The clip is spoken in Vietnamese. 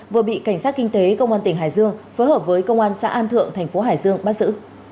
vừa bị cảnh sát kinh tế công an tỉnh hải dương phối hợp với công an xã an thượng thành phố hải dương bắt giữ